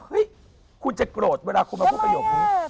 เกลียดโกรธเวลาคุณมาพูดประโยคนี้